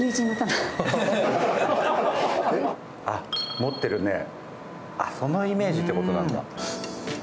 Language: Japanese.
持ってるね、そのイメージってことなんだ。